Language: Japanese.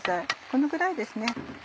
このぐらいですね。